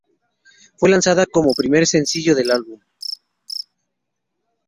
Fue lanzada como primer sencillo del álbum.